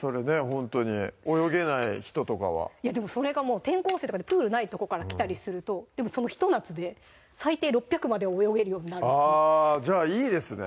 ほんとに泳げない人とかはそれがもう転校生とかでプールないとこから来たりするとでもそのひと夏で最低６００まで泳げるようになるっていうあぁじゃあいいですね